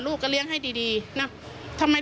โยต้องกล้าภาษณ์อยากให้คุณผู้ชมได้ฟัง